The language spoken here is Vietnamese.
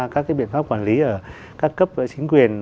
các biện pháp quản lý ở các cấp chính quyền